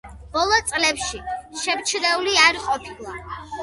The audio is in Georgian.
ბოლო წლებში შემჩნეული არ ყოფილა.